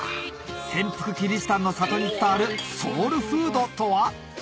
潜伏キリシタンの里に伝わるソウルフードとは？